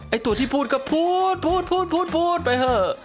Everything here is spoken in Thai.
ไอตัวที่พูดก็พูดพูดพูดพูดพูดไปเถอะ